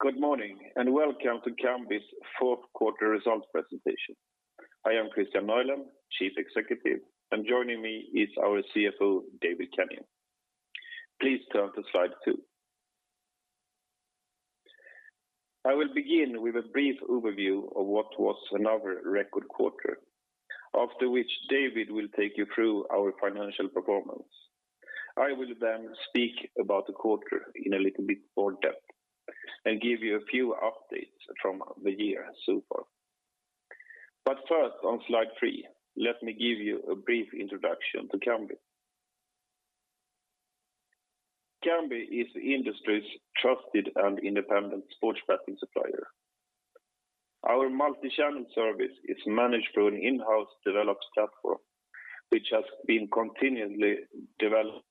Good morning, welcome to Kambi's fourth quarter results presentation. I am Kristian Nylén, Chief Executive, and joining me is our CFO, David Kenyon. Please turn to slide two. I will begin with a brief overview of what was another record quarter, after which David will take you through our financial performance. I will then speak about the quarter in a little bit more depth and give you a few updates from the year so far. First, on slide three, let me give you a brief introduction to Kambi. Kambi is the industry's trusted and independent sports betting supplier. Our multi-channel service is managed through an in-house developed platform, which has been continually developed.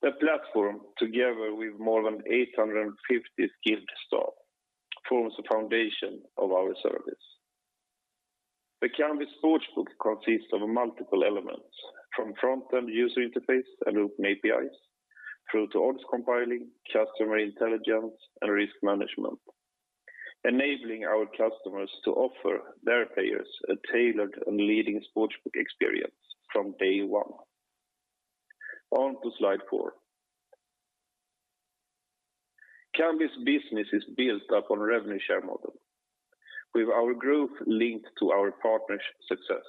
The platform, together with more than 850 skilled staff, forms the foundation of our service. The Kambi Sportsbook consists of multiple elements, from front-end user interface and open APIs through to odds compiling, customer intelligence, and risk management, enabling our customers to offer their players a tailored and leading sportsbook experience from day one. On to slide four. Kambi's business is built upon a revenue share model, with our growth linked to our partners' success.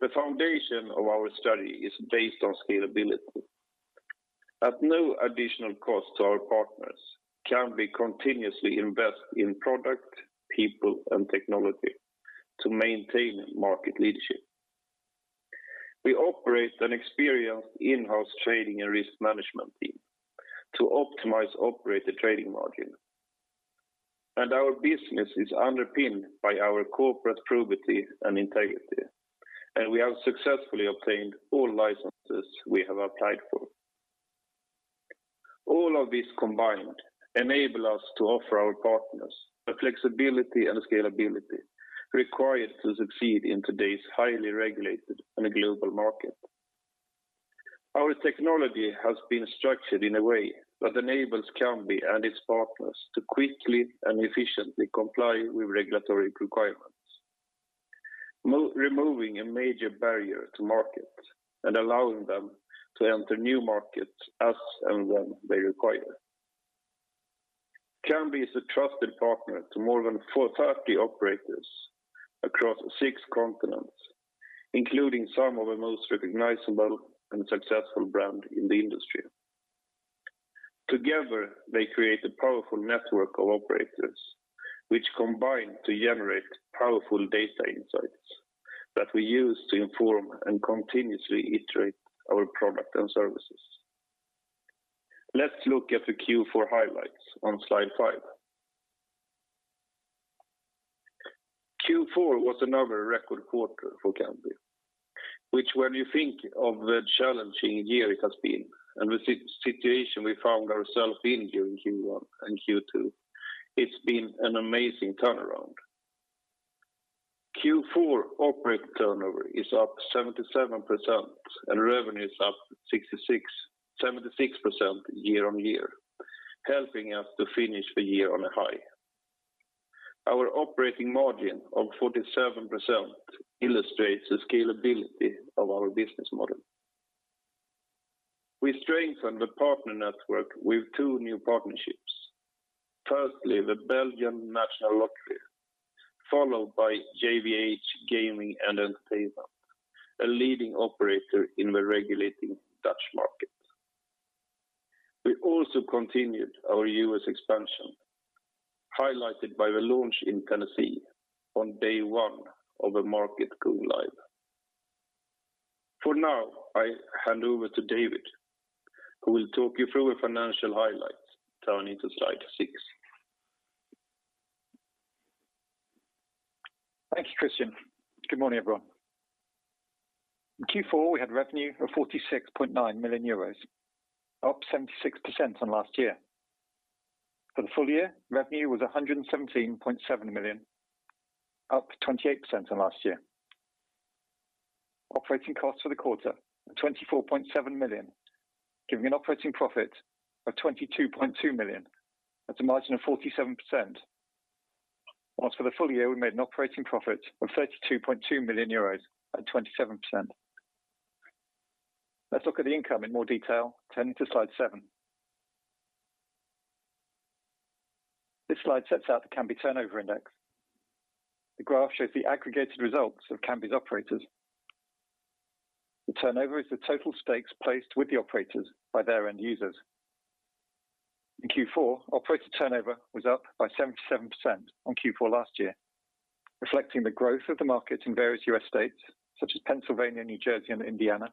The foundation of our strategy is based on scalability. At no additional cost to our partners, Kambi continuously invest in product, people, and technology to maintain market leadership. We operate an experienced in-house trading and risk management team to optimize operator trading margin. Our business is underpinned by our corporate probity and integrity, and we have successfully obtained all licenses we have applied for. All of this combined enable us to offer our partners the flexibility and scalability required to succeed in today's highly regulated and global market. Our technology has been structured in a way that enables Kambi and its partners to quickly and efficiently comply with regulatory requirements, removing a major barrier to market and allowing them to enter new markets as and when they require. Kambi is a trusted partner to more than 40 operators across six continents, including some of the most recognizable and successful brand in the industry. Together, they create a powerful network of operators, which combine to generate powerful data insights that we use to inform and continuously iterate our product and services. Let's look at the Q4 highlights on slide five. Q4 was another record quarter for Kambi, which when you think of the challenging year it has been and the situation we found ourselves in during Q1 and Q2, it's been an amazing turnaround. Q4 operator turnover is up 77% and revenue is up 76% year-on-year, helping us to finish the year on a high. Our operating margin of 47% illustrates the scalability of our business model. We strengthened the partner network with two new partnerships. Firstly, the Belgian National Lottery, followed by JVH Gaming & Entertainment, a leading operator in the regulating Dutch market. We also continued our U.S. expansion, highlighted by the launch in Tennessee on day one of the market going live. For now, I hand over to David, who will talk you through the financial highlights, turning to slide six. Thank you, Kristian. Good morning, everyone. In Q4, we had revenue of 46.9 million euros, up 76% from last year. For the full year, revenue was 117.7 million, up 28% on last year. Operating costs for the quarter were 24.7 million, giving an operating profit of 22.2 million. That's a margin of 47%. Whilst for the full year, we made an operating profit of 32.2 million euros at 27%. Let's look at the income in more detail, turning to slide seven. This slide sets out the Kambi turnover index. The graph shows the aggregated results of Kambi's operators. The turnover is the total stakes placed with the operators by their end users. In Q4, operator turnover was up by 77% on Q4 last year, reflecting the growth of the market in various U.S. states such as Pennsylvania, New Jersey, and Indiana,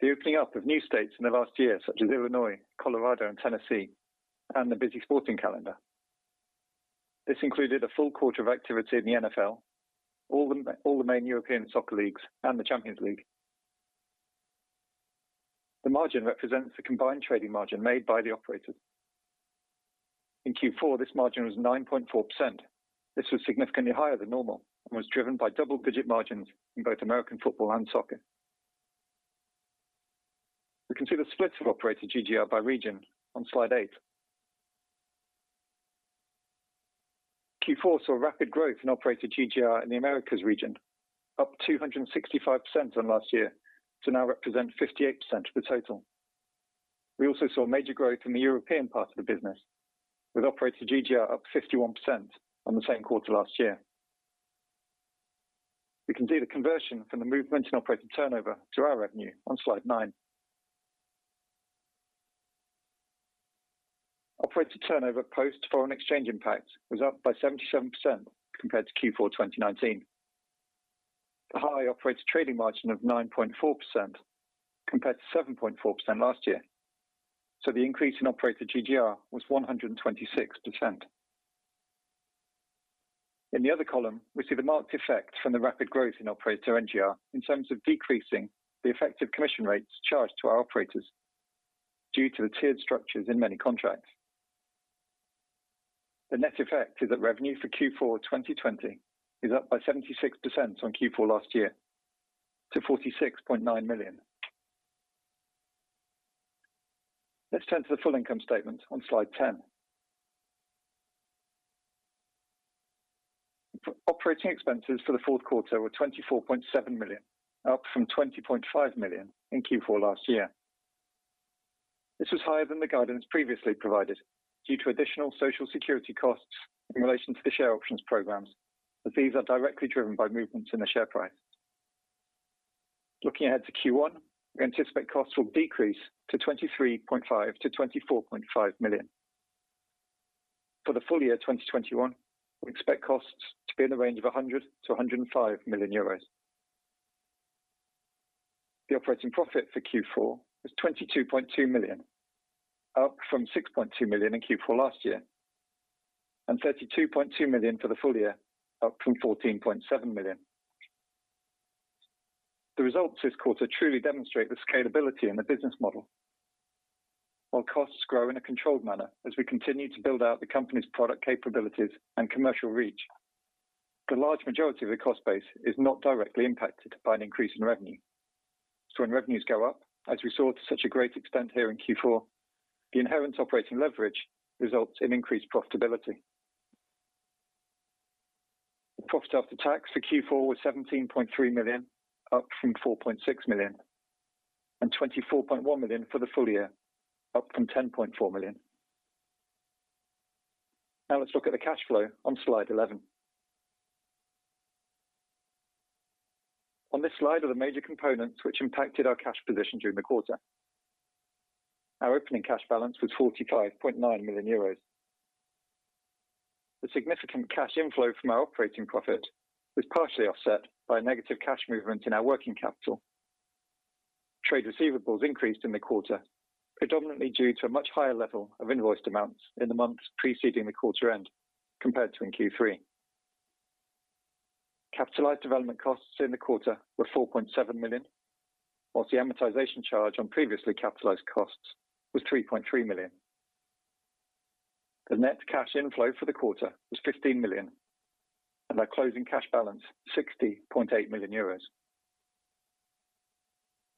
the opening up of new states in the last year such as Illinois, Colorado, and Tennessee, and the busy sporting calendar. This included a full quarter of activity in the NFL, all the main European soccer leagues, and the Champions League. The margin represents the combined trading margin made by the operators. In Q4, this margin was 9.4%. This was significantly higher than normal and was driven by double-digit margins in both American football and soccer. We can see the splits of Operator GGR by region on slide eight. Q4 saw rapid growth in Operator GGR in the Americas region, up 265% on last year to now represent 58% of the total. We also saw major growth in the European part of the business, with Operator GGR up 51% on the same quarter last year. We can see the conversion from the movement in operator turnover to our revenue on slide nine. Operator turnover post foreign exchange impact was up by 77% compared to Q4 2019. A high operator trading margin of 9.4% compared to 7.4% last year. The increase in Operator GGR was 126%. In the other column, we see the marked effect from the rapid growth in Operator NGR in terms of decreasing the effective commission rates charged to our operators due to the tiered structures in many contracts. The net effect is that revenue for Q4 2020 is up by 76% on Q4 last year to 46.9 million. Let's turn to the full income statement on slide 10. Operating expenses for the fourth quarter were 24.7 million, up from 20.5 million in Q4 last year. This was higher than the guidance previously provided due to additional Social Security costs in relation to the share options programs, as these are directly driven by movements in the share price. Looking ahead to Q1, we anticipate costs will decrease to 23.5 million-24.5 million. For the full year 2021, we expect costs to be in the range of 100 million-105 million euros. The operating profit for Q4 was 22.2 million, up from 6.2 million in Q4 last year, and 32.2 million for the full year, up from 14.7 million. The results this quarter truly demonstrate the scalability in the business model. While costs grow in a controlled manner as we continue to build out the company's product capabilities and commercial reach, the large majority of the cost base is not directly impacted by an increase in revenue. When revenues go up, as we saw to such a great extent here in Q4, the inherent operating leverage results in increased profitability. Profit after tax for Q4 was 17.3 million, up from 4.6 million, and 24.1 million for the full year, up from 10.4 million. Let's look at the cash flow on slide 11. On this slide are the major components which impacted our cash position during the quarter. Our opening cash balance was 45.9 million euros. The significant cash inflow from our operating profit was partially offset by a negative cash movement in our working capital. Trade receivables increased in the quarter, predominantly due to a much higher level of invoiced amounts in the months preceding the quarter end compared to in Q3. Capitalized development costs in the quarter were 4.7 million, while the amortization charge on previously capitalized costs was 3.3 million. The net cash inflow for the quarter was 15 million, and our closing cash balance, 60.8 million euros.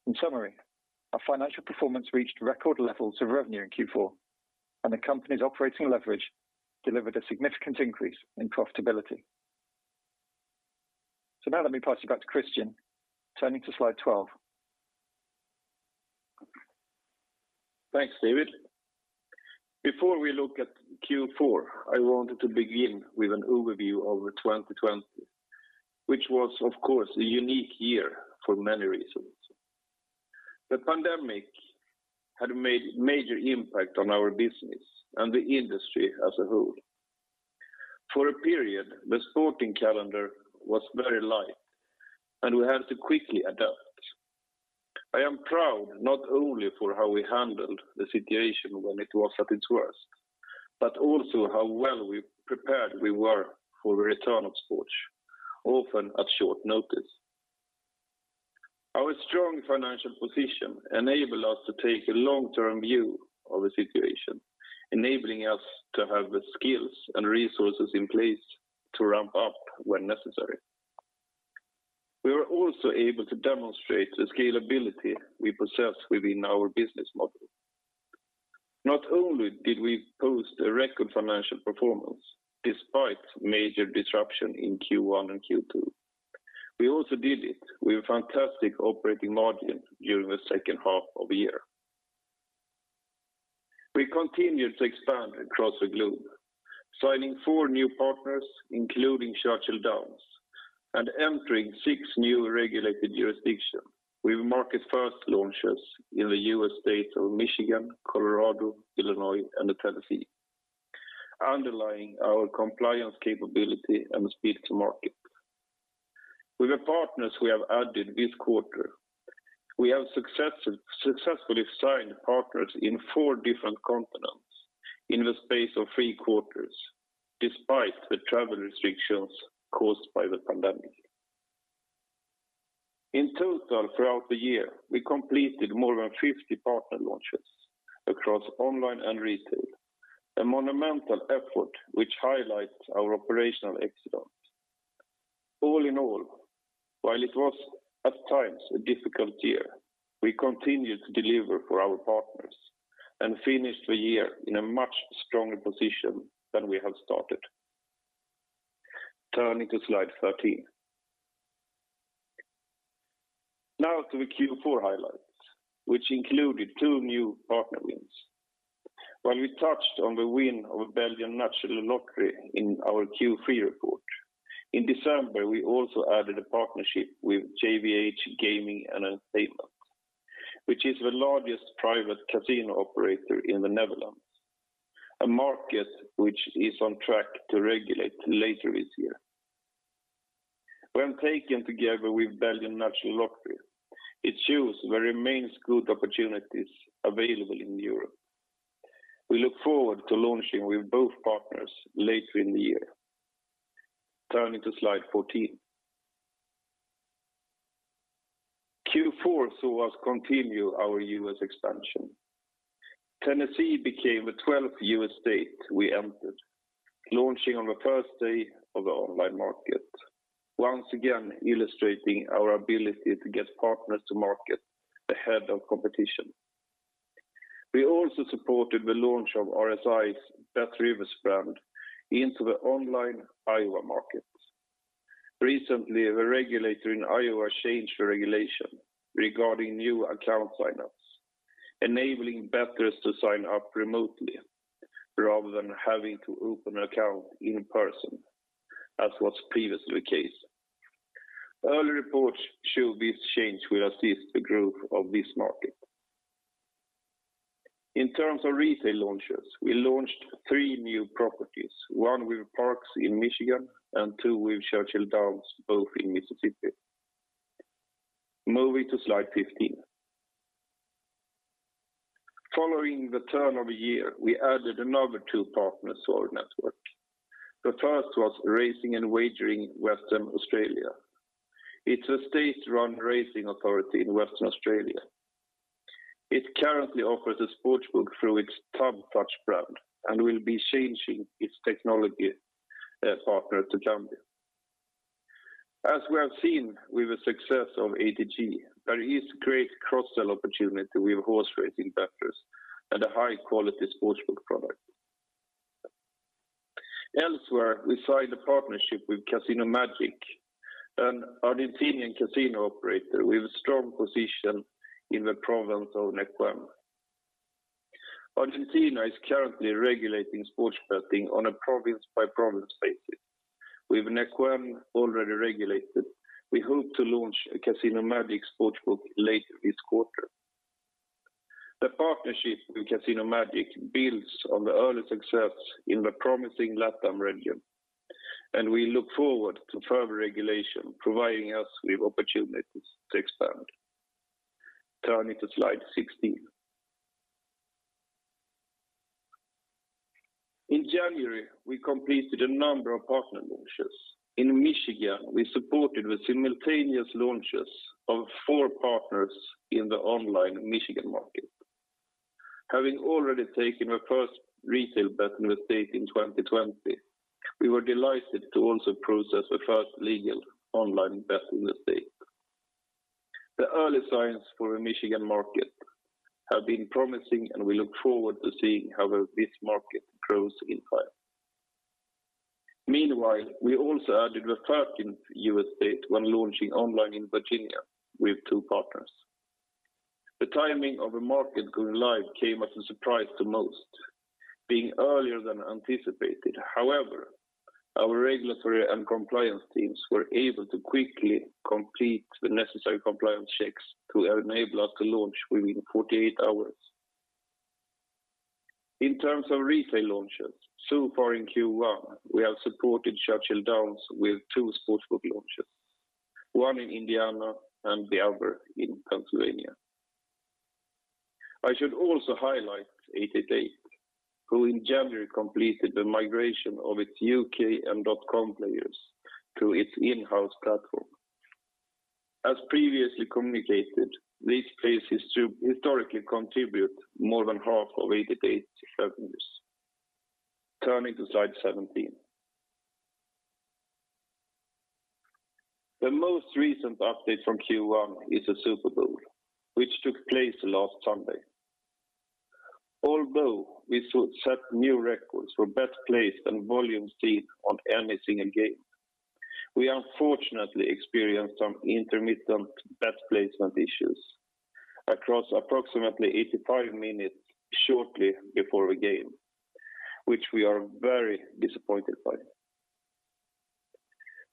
In summary, our financial performance reached record levels of revenue in Q4, and the company's operating leverage delivered a significant increase in profitability. Now let me pass you back to Kristian, turning to slide 12. Thanks, David. Before we look at Q4, I wanted to begin with an overview of 2020, which was, of course, a unique year for many reasons. The pandemic had made major impact on our business and the industry as a whole. For a period, the sporting calendar was very light, and we had to quickly adapt. I am proud not only for how we handled the situation when it was at its worst, but also how well prepared we were for the return of sports, often at short notice. Our strong financial position enabled us to take a long-term view of the situation, enabling us to have the skills and resources in place to ramp up when necessary. We were also able to demonstrate the scalability we possess within our business model. Not only did we post a record financial performance despite major disruption in Q1 and Q2, we also did it with fantastic operating margin during the second half of the year. We continued to expand across the globe, signing four new partners, including Churchill Downs, and entering six new regulated jurisdictions with market first launches in the U.S. states of Michigan, Colorado, Illinois and Tennessee, underlying our compliance capability and speed to market. With the partners we have added this quarter, we have successfully signed partners in four different continents in the space of three quarters, despite the travel restrictions caused by the pandemic. In total, throughout the year, we completed more than 50 partner launches across online and retail, a monumental effort which highlights our operational excellence. All in all, while it was at times a difficult year, we continued to deliver for our partners and finished the year in a much stronger position than we have started. Turning to slide 13. Now to the Q4 highlights, which included two new partner wins. While we touched on the win of Belgian National Lottery in our Q3 report, in December, we also added a partnership with JVH Gaming & Entertainment, which is the largest private casino operator in the Netherlands, a market which is on track to regulate later this year. When taken together with Belgian National Lottery, it shows there remains good opportunities available in Europe. We look forward to launching with both partners later in the year. Turning to slide 14. Q4 saw us continue our U.S. expansion. Tennessee became the 12th U.S. state we entered, launching on the first day of the online market, once again illustrating our ability to get partners to market ahead of competition. We also supported the launch of RSI's BetRivers brand into the online Iowa market. Recently, the regulator in Iowa changed the regulation regarding new account sign-ups, enabling bettors to sign up remotely rather than having to open an account in person, as was previously the case. Early reports show this change will assist the growth of this market. In terms of retail launches, we launched three new properties, one with Parx in Michigan and two with Churchill Downs, both in Mississippi. Moving to slide 15. Following the turn of the year, we added another two partners to our network. The first was Racing and Wagering Western Australia. It's a state-run racing authority in Western Australia. It currently offers a sportsbook through its TABtouch brand and will be changing its technology partner to Kambi. As we have seen with the success of ATG, there is great cross-sell opportunity with horse racing bettors and a high-quality sportsbook product. Elsewhere, we signed a partnership with Casino Magic, an Argentinian casino operator with a strong position in the province of Neuquén. Argentina is currently regulating sports betting on a province-by-province basis. With Neuquén already regulated, we hope to launch a Casino Magic Sportsbook later this quarter. The partnership with Casino Magic builds on the early success in the promising LATAM region, and we look forward to further regulation providing us with opportunities to expand. Turning to slide 16. In January, we completed a number of partner launches. In Michigan, we supported the simultaneous launches of four partners in the online Michigan market. Having already taken the first retail bet in the state in 2020, we were delighted to also process the first legal online bet in the state. The early signs for the Michigan market have been promising. We look forward to seeing how this market grows in time. Meanwhile, we also added the 13th U.S. state when launching online in Virginia with two partners. The timing of the market going live came as a surprise to most, being earlier than anticipated. Our regulatory and compliance teams were able to quickly complete the necessary compliance checks to enable us to launch within 48 hours. In terms of retail launches, so far in Q1, we have supported Churchill Downs with two sportsbook launches, one in Indiana and the other in Pennsylvania. I should also highlight 888, who in January completed the migration of its U.K. and .com players to its in-house platform. As previously communicated, these players historically contribute more than half of 888's revenues. Turning to slide 17. The most recent update from Q1 is the Super Bowl, which took place last Sunday. We set new records for bets placed and volumes seen on any single game, we unfortunately experienced some intermittent bet placement issues across approximately 85 minutes shortly before the game, which we are very disappointed by.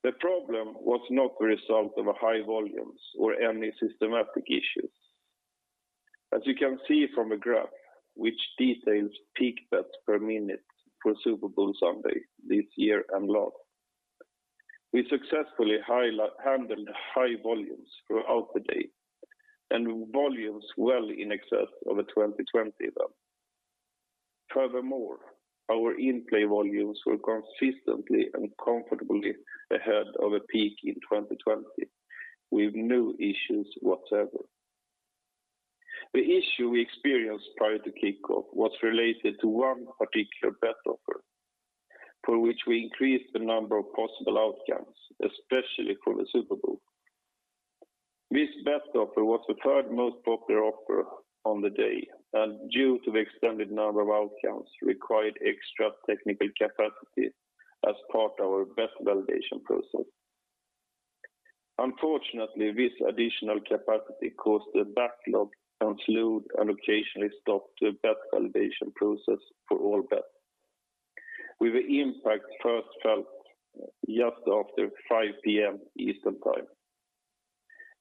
The problem was not the result of high volumes or any systematic issues. As you can see from the graph, which details peak bets per minute for Super Bowl Sunday this year and last, we successfully handled high volumes throughout the day and volumes well in excess of the 2020 event. Furthermore, our in-play volumes were consistently and comfortably ahead of a peak in 2020, with no issues whatsoever. The issue we experienced prior to kickoff was related to one particular bet offer, for which we increased the number of possible outcomes, especially for the Super Bowl. This bet offer was the third most popular offer on the day, and due to the extended number of outcomes, required extra technical capacity as part of our bet validation process. Unfortunately, this additional capacity caused a backlog and slowed, and occasionally stopped, the bet validation process for all bets, with the impact first felt just after 5:00 P.M. Eastern Time.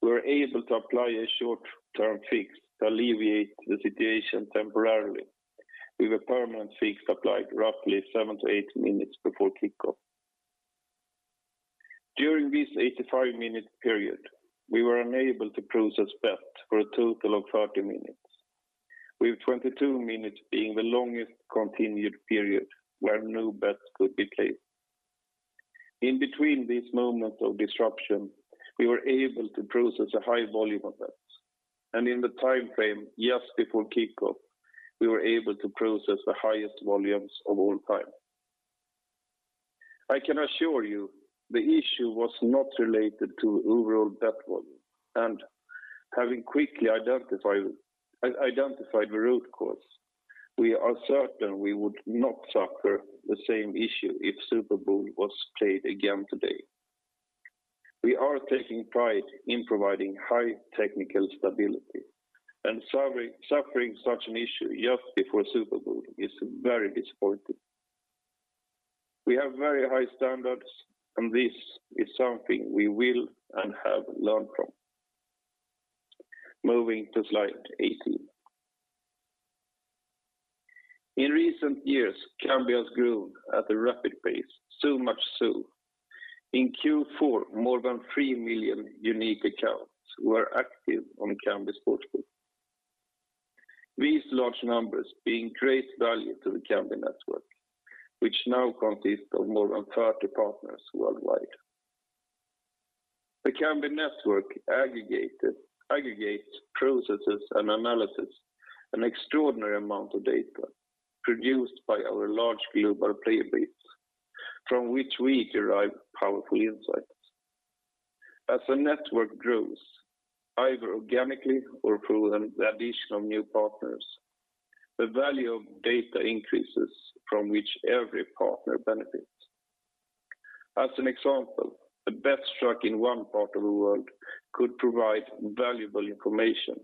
We were able to apply a short-term fix to alleviate the situation temporarily, with a permanent fix applied roughly seven to eight minutes before kickoff. During this 85-minute period, we were unable to process bets for a total of 30 minutes, with 22 minutes being the longest continued period where no bets could be placed. In between these moments of disruption, we were able to process a high volume of bets, and in the timeframe just before kickoff, we were able to process the highest volumes of all time. I can assure you the issue was not related to overall bet volume, and having quickly identified the root cause, we are certain we would not suffer the same issue if Super Bowl was played again today. We are taking pride in providing high technical stability, and suffering such an issue just before Super Bowl is very disappointing. We have very high standards, and this is something we will, and have, learned from. Moving to slide 18. In recent years, Kambi has grown at a rapid pace. So much so, in Q4, more than 3 million unique accounts were active on Kambi Sportsbook. These large numbers bring great value to the Kambi network, which now consists of more than 30 partners worldwide. The Kambi network aggregates, processes, and analyzes an extraordinary amount of data produced by our large global player base, from which we derive powerful insights. As the network grows, either organically or through the addition of new partners, the value of data increases from which every partner benefits. As an example, a bet struck in one part of the world could provide valuable information,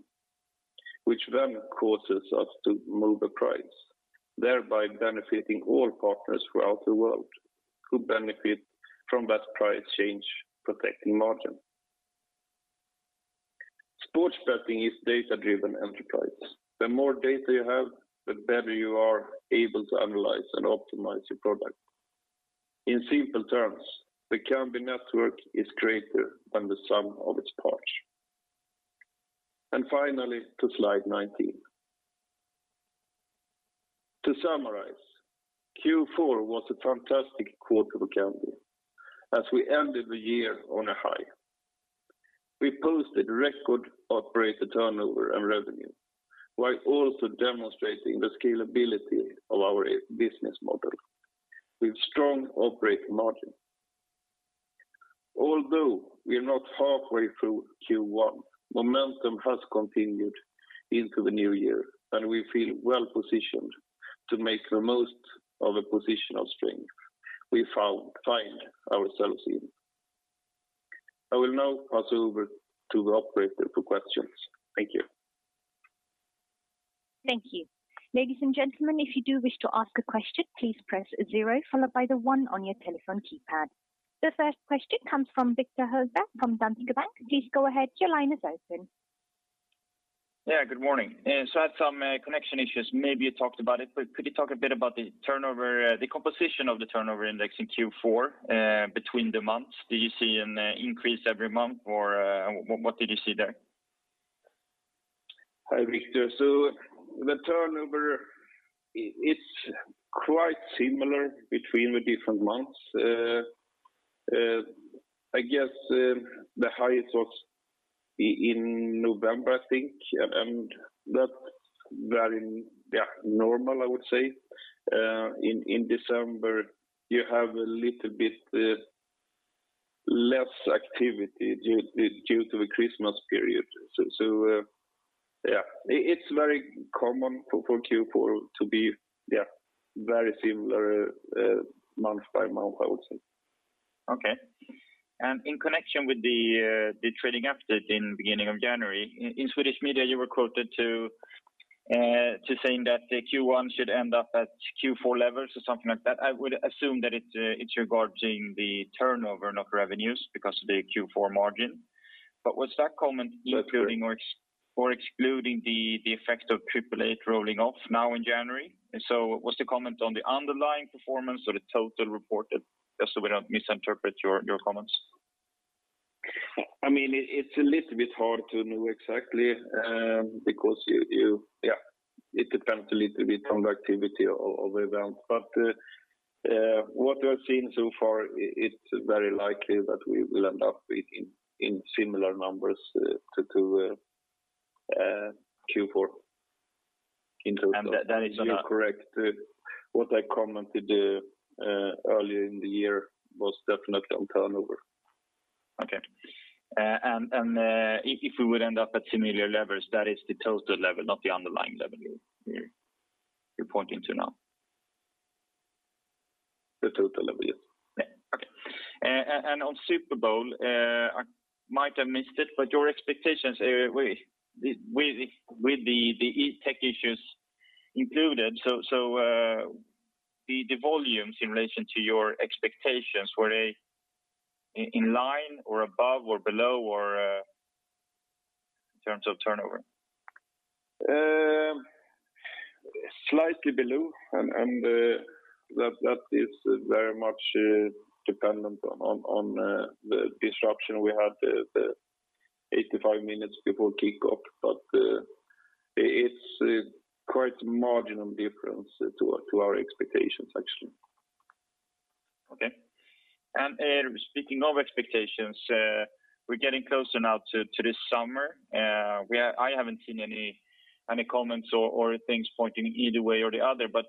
which then causes us to move a price, thereby benefiting all partners throughout the world who benefit from that price change, protecting margin. Sports betting is a data-driven enterprise. The more data you have, the better you are able to analyze and optimize your product. In simple terms, the Kambi network is greater than the sum of its parts. Finally, to slide 19. To summarize, Q4 was a fantastic quarter for Kambi as we ended the year on a high. We posted record operator turnover and revenue while also demonstrating the scalability of our business model with strong operating margin. Although we are not halfway through Q1, momentum has continued into the new year, and we feel well-positioned to make the most of a position of strength we find ourselves in. I will now pass over to the operator for questions. Thank you. Thank you. Ladies and gentlemen if you do wish to ask a question please press zero followed by the one on your telephone keypad. The first question comes from Viktor Högberg from Danske Bank. Yeah, good morning. I had some connection issues. Maybe you talked about it, but could you talk a bit about the composition of the turnover index in Q4 between the months? Do you see an increase every month, or what did you see there? Hi, Viktor. The turnover, it's quite similar between the different months. I guess the highest was in November, I think, and that's very normal, I would say. In December, you have a little bit less activity due to the Christmas period. Yeah. It's very common for Q4 to be very similar month-by-month, I would say. Okay. In connection with the trading update in the beginning of January, in Swedish media, you were quoted to saying that the Q1 should end up at Q4 levels or something like that. I would assume that it's regarding the turnover, not revenues, because of the Q4 margin. Was that comment including- That's correct or excluding the effect of 888 rolling off now in January? Was the comment on the underlying performance or the total reported? Just so we don't misinterpret your comments. It's a little bit hard to know exactly because it depends a little bit on the activity of events. What we have seen so far, it's very likely that we will end up in similar numbers to Q4 in total. And that is- You are correct. What I commented earlier in the year was definitely on turnover. Okay. If we would end up at similar levels, that is the total level, not the underlying level you're pointing to now? The total level, yes. Okay. On Super Bowl, I might have missed it, but your expectations with the tech issues included. The volumes in relation to your expectations, were they in line or above or below in terms of turnover? Slightly below, and that is very much dependent on the disruption we had the 85 minutes before kickoff. It's quite a marginal difference to our expectations, actually. Okay. Speaking of expectations, we're getting closer now to this summer. I haven't seen any comments or things pointing either way or the other, but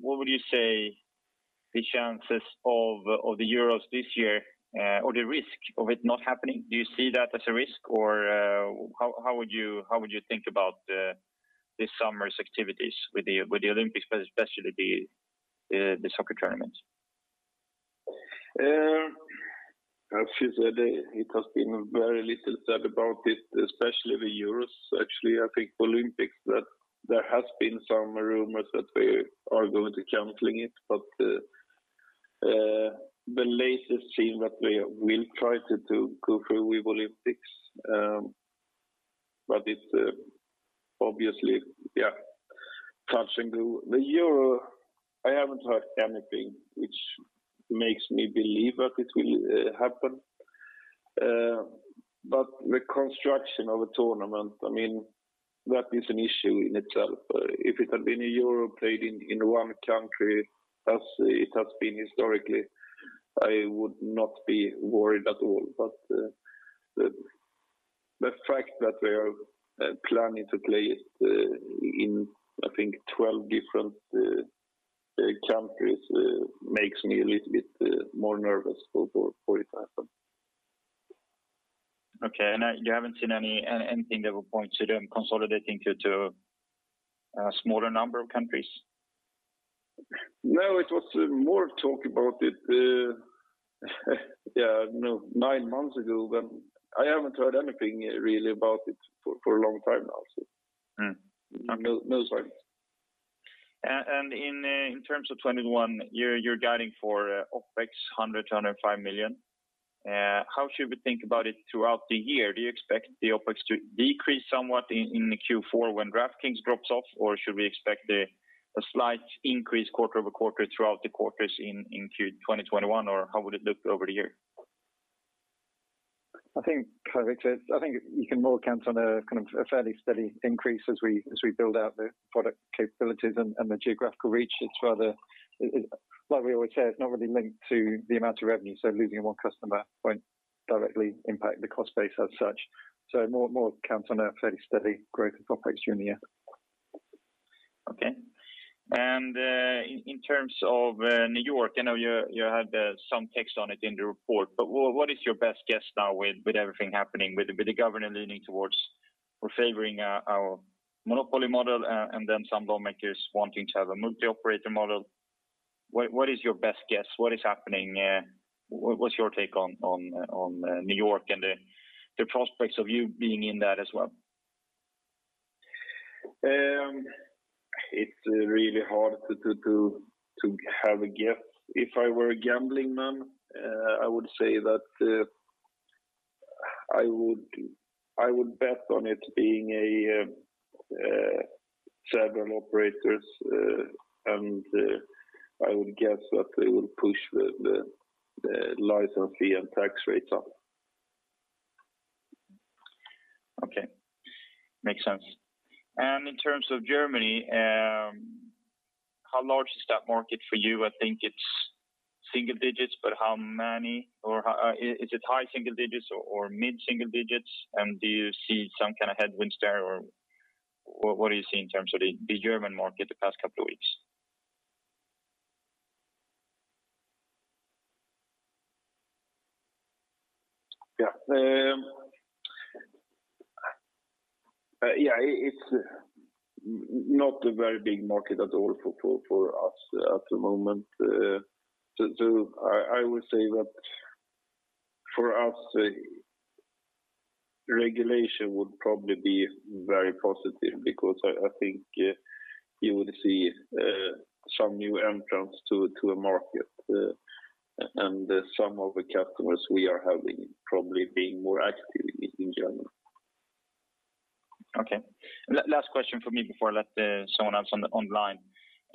what would you say the chances of The Euros this year or the risk of it not happening? Do you see that as a risk or how would you think about this summer's activities with the Olympics, but especially the soccer tournaments? As you said, it has been very little said about it, especially The Euros. Actually, I think Olympics, there has been some rumors that they are going to be canceling it, but the latest seems that they will try to go through with Olympics. It's obviously touching to The Euros, I haven't heard anything which makes me believe that it will happen. The construction of a tournament, that is an issue in itself. If it had been a Euro played in one country as it has been historically, I would not be worried at all. The fact that they are planning to play it in, I think, 12 different countries makes me a little bit more nervous for it to happen. Okay, you haven't seen anything that would point to them consolidating to a smaller number of countries? It was more talk about it nine months ago. I haven't heard anything really about it for a long time now, so no signs. In terms of 2021, you're guiding for OpEx 100 million-105 million. How should we think about it throughout the year? Do you expect the OpEx to decrease somewhat in Q4 when DraftKings drops off? Should we expect a slight increase quarter-over-quarter throughout the quarters into 2021? How would it look over the year? I think, Viktor, you can more count on a fairly steady increase as we build out the product capabilities and the geographical reach. It's like we always say, it's not really linked to the amount of revenue, so losing one customer won't directly impact the cost base as such. More count on a fairly steady growth of OpEx during the year. Okay. In terms of New York, I know you had some text on it in the report, but what is your best guess now with everything happening, with the government leaning towards or favoring a monopoly model and then some lawmakers wanting to have a multi-operator model? What is your best guess? What is happening? What's your take on New York and the prospects of you being in that as well? It's really hard to have a guess. If I were a gambling man, I would say that I would bet on it being several operators, and I would guess that they will push the license fee and tax rates up. Okay. Makes sense. In terms of Germany, how large is that market for you? I think it's single digits, but how many? Is it high single digits or mid-single digits? Do you see some kind of headwinds there? What do you see in terms of the German market the past couple of weeks? Yeah. It is not a very big market at all for us at the moment. I would say that for us, regulation would probably be very positive because I think you would see some new entrants to the market and some of the customers we are having probably being more active in general. Okay. Last question from me before I let someone else online.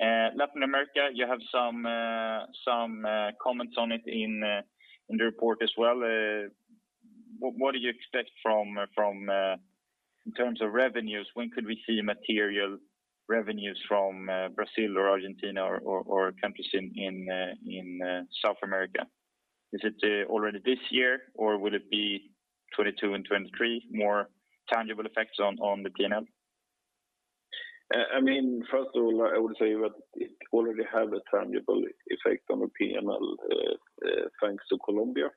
Latin America, you have some comments on it in the report as well. What do you expect in terms of revenues? When could we see material revenues from Brazil or Argentina or countries in South America? Is it already this year, or will it be 2022 and 2023, more tangible effects on the P&L? First of all, I would say that it already have a tangible effect on the P&L, thanks to Colombia.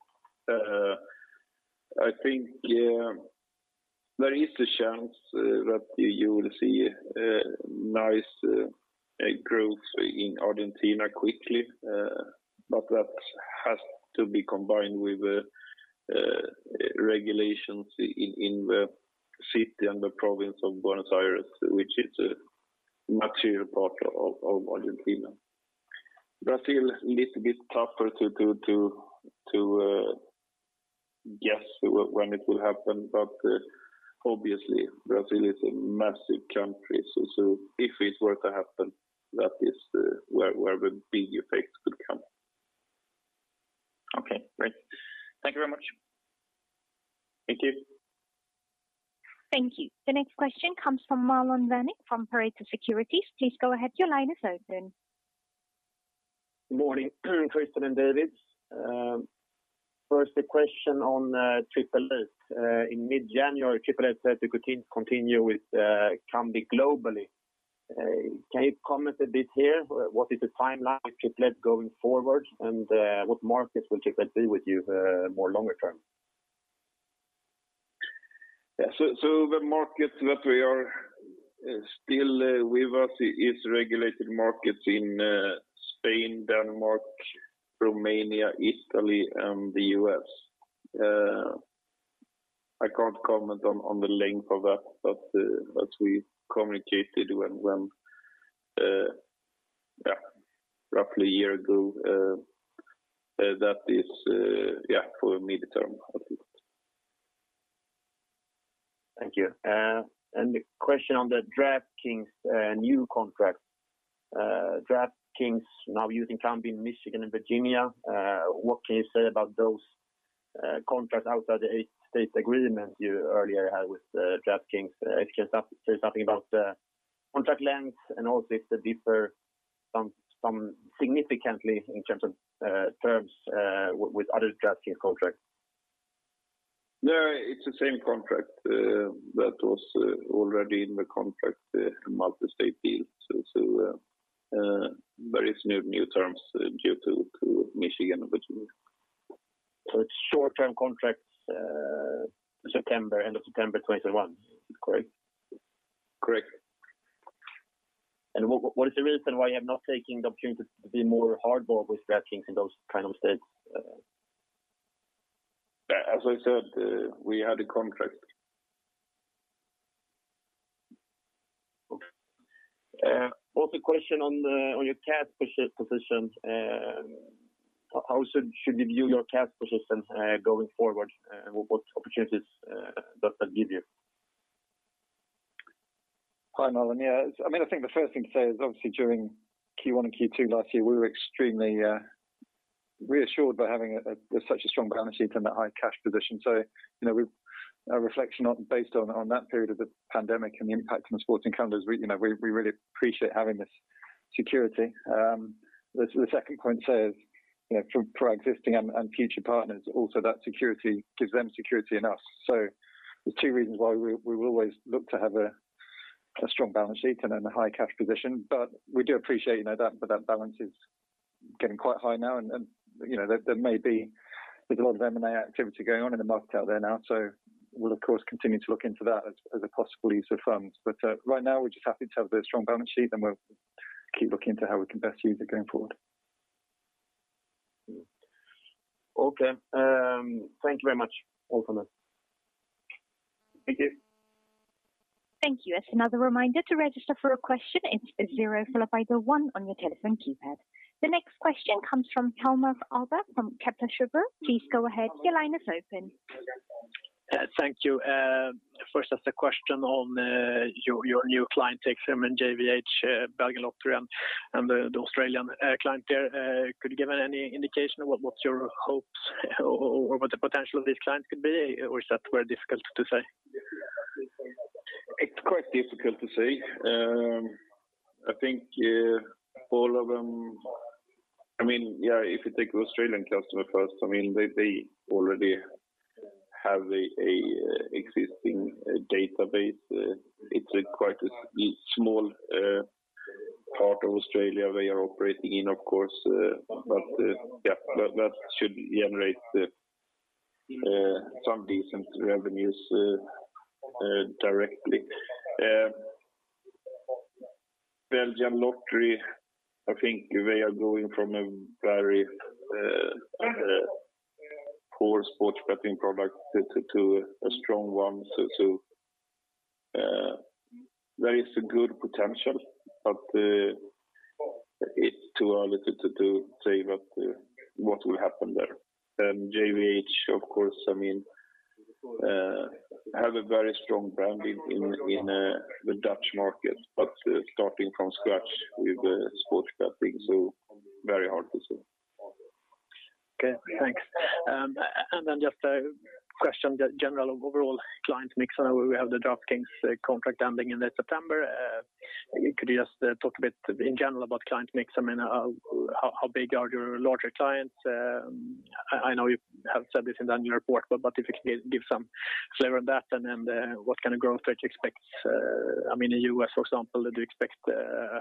I think there is a chance that you will see nice growth in Argentina quickly, but that has to be combined with regulations in the city and the province of Buenos Aires, which is a material part of Argentina. Brazil, little bit tougher to guess when it will happen, but obviously Brazil is a massive country, so if it's were to happen, that is where the big effects could come. Okay, great. Thank you very much. Thank you. Thank you. The next question comes from Marlon Värnik from Pareto Securities. Good morning, Kristian and David. First a question on 888. In mid-January, 888 said they could continue with Kambi globally. Can you comment a bit here? What is the timeline for 888 going forward, and what markets will 888 be with you more longer term? The market that we are, still with us is regulated markets in Spain, Denmark, Romania, Italy, and the U.S. I can't comment on the length of that, but as we communicated roughly a year ago, that is for mid-term at least. Thank you. The question on the DraftKings new contract. DraftKings now using Kambi in Michigan and Virginia. What can you say about those contracts outside the eight states agreement you earlier had with DraftKings? If you can say something about contract length and also if they differ significantly in terms of terms with other DraftKings contracts? No, it's the same contract that was already in the contract multi-state deal. There is no new terms due to Michigan and Virginia. It's short-term contracts, end of September 2021, correct? Correct. What is the reason why you have not taken the opportunity to be more hardcore with DraftKings in those kind of states? As I said, we had a contract. Okay. Also question on your cash positions, how should we view your cash positions going forward? What opportunities does that give you? Hi, Marlon. I think the first thing to say is obviously during Q1 and Q2 last year, we were extremely reassured by having such a strong balance sheet and that high cash position. Our reflection based on that period of the pandemic and the impact on sports calendars, we really appreciate having this security. The second point says for our existing and future partners also that security gives them security in us. There's two reasons why we will always look to have a strong balance sheet and a high cash position. We do appreciate that balance is getting quite high now, and there may be a lot of M&A activity going on in the market out there now. We'll of course continue to look into that as a possible use of funds. Right now we're just happy to have the strong balance sheet, and we'll keep looking into how we can best use it going forward. Okay. Thank you very much. All for now. Thank you. Thank you. As another reminder to register for a question, it's zero followed by the one on your telephone keypad. The next question comes from Hjalmar Ahlberg from Kepler Cheuvreux. Please go ahead. Your line is open. Thank you. First as a question on your new client takes JVH, Belgian Lottery, and the Australian client there. Could you give any indication of what your hopes or what the potential of this client could be? Or is that very difficult to say? It's quite difficult to say. If you take the Australian customer first, they already have an existing database. It's quite a small part of Australia they are operating in, of course. That should generate some decent revenues directly. Belgian Lottery, I think they are going from a very poor sports betting product to a strong one. There is a good potential, but it's too early to say what will happen there. JVH, of course, has a very strong brand in the Dutch market, but starting from scratch with sports betting, so very hard to say. Okay, thanks. Then just a question, the general overall client mix. I know we have the DraftKings contract ending in September. Could you just talk a bit in general about client mix? How big are your larger clients? I know you have said this in your report, but if you can give some flavor on that and then what kind of growth rate you expect. In the U.S., for example, do you expect a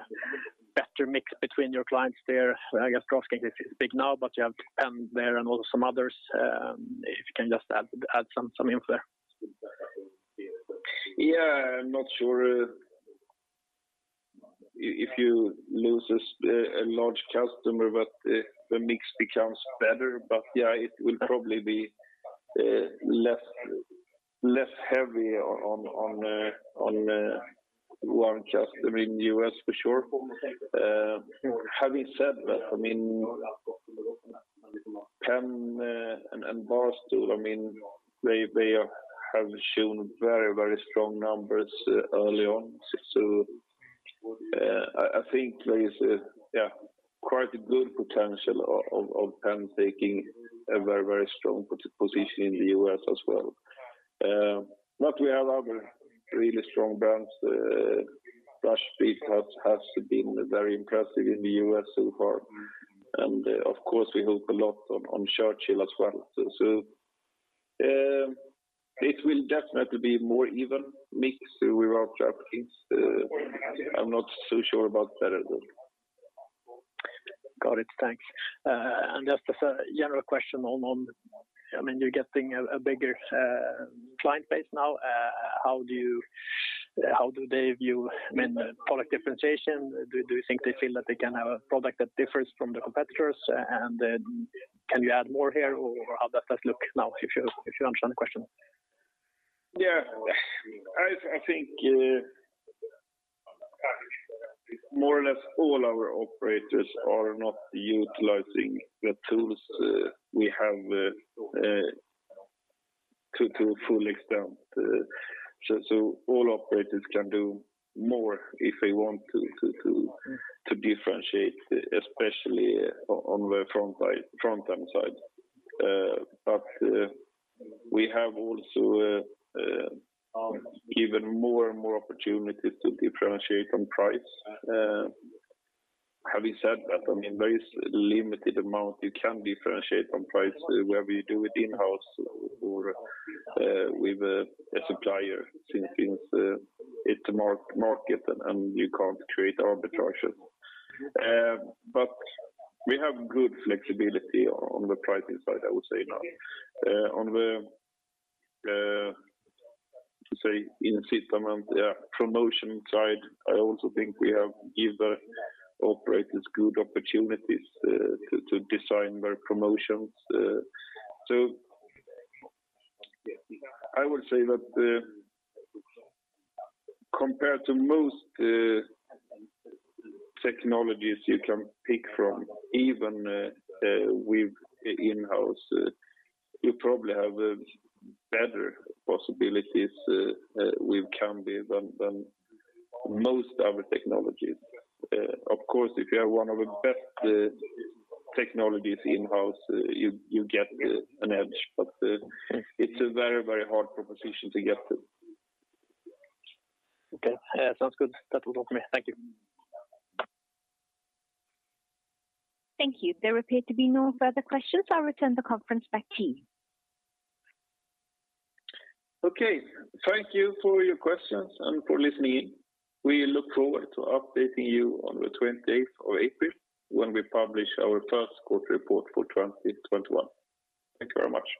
better mix between your clients there? I guess DraftKings is big now, but you have PENN there and also some others. If you can just add some info there. Yeah. I'm not sure if you lose a large customer that the mix becomes better. Yeah, it will probably be less heavy on one customer in the U.S. for sure. Having said that, PENN and Barstool, they have shown very strong numbers early on. I think there is a quite good potential of PENN taking a very strong position in the U.S. as well. We have other really strong brands. Rush Street has been very impressive in the U.S. so far, and of course, we hope a lot on Churchill as well. It will definitely be a more even mix without DraftKings. I'm not so sure about better though. Got it. Thanks. Just as a general question on, you're getting a bigger client base now. How do they view product differentiation? Do you think they feel that they can have a product that differs from the competitors? Can you add more here or how does that look now, if you understand the question? Yeah. I think more or less all our operators are not utilizing the tools we have to a full extent. All operators can do more if they want to differentiate, especially on the front-end side. We have also given more and more opportunities to differentiate on price. Having said that, there is a limited amount you can differentiate on price, whether you do it in-house or with a supplier since it's a market and you can't create arbitrage. We have good flexibility on the pricing side, I would say now. On the, how to say, incent amount, yeah, promotion side, I also think we have given operators good opportunities to design their promotions. I would say that compared to most technologies you can pick from, even with in-house, you probably have better possibilities with Kambi than most other technologies. Of course, if you have one of the best technologies in-house you get an edge. It's a very hard proposition to get it. Okay. Sounds good. That will do for me. Thank you. Thank you. There appear to be no further questions. I'll return the conference back to you. Okay. Thank you for your questions and for listening in. We look forward to updating you on the 20th of April when we publish our first quarter report for 2021. Thank you very much.